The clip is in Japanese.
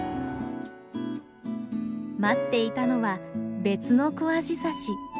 待っていたのは別のコアジサシ。